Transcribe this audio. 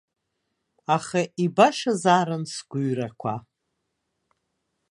Аха ибашазаарын сгәыҩрақәа.